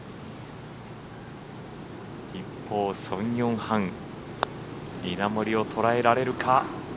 一方、ソン・ヨンハン稲森を捉えられるか。